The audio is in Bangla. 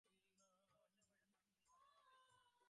কত বৎসর বয়সে তাঁর মৃত্যু, তা দেওয়া নেই।